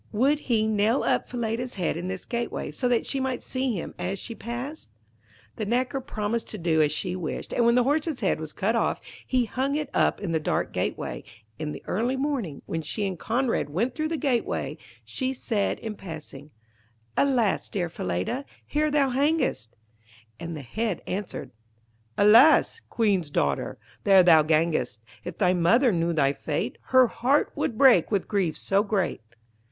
'Would he nail up Falada's head in this gateway, so that she might see him as she passed?' [Illustration: {Alas! dear Falada, there thou hangest.}] The knacker promised to do as she wished, and when the horse's head was cut off, he hung it up in the dark gateway. In the early morning, when she and Conrad went through the gateway, she said in passing 'Alas! dear Falada, there thou hangest.' And the Head answered 'Alas! Queen's daughter, there thou gangest. If thy mother knew thy fate, Her heart would break with grief so great.'